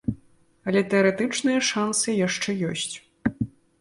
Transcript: Але тэарэтычныя шанцы яшчэ ёсць.